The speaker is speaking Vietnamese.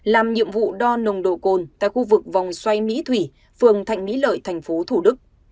làm nhiệm vụ đo nồng độ cồn tại khu vực vòng xoay mỹ thủy phường thạnh mỹ lợi thành phố thủ đức